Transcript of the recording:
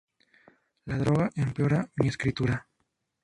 La droga empeora mi escritura.